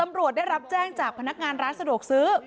ได้รับแจ้งจากพนักงานร้านสะดวกซื้อ